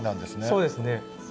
そうですね。